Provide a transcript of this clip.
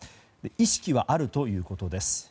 意識はあるということです。